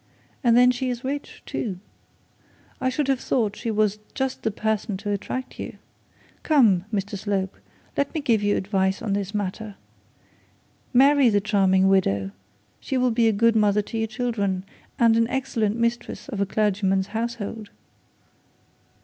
And then she is rich too. I should have thought she was just the person to attract you. Come, Mr Slope, let me give you advice on this matter. Marry the charming widow! She will be a good mother to your children and an excellent mistress of a clergyman's household.'